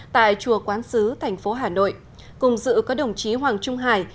tại chùa quán sứ thành phố hà nội cùng dự có đồng chí hoàng trung hải